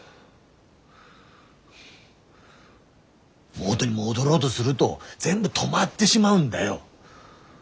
元に戻ろうどするど全部止まってしまうんだよ。